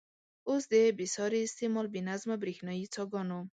اوس د بې ساري استعمال، بې نظمه برېښنايي څاګانو.